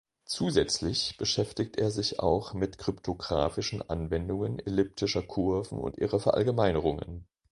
Zusätzlich beschäftigt er sich auch mit kryptographischen Anwendungen elliptischer Kurven und ihrer Verallgemeinerungen.